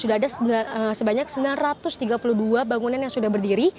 sudah ada sebanyak sembilan ratus tiga puluh dua bangunan yang sudah berdiri